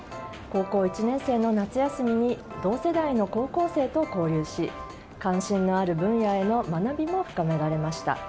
高校１年生の夏休みに同世代の高校生と交流し関心のある分野への学びも深められました。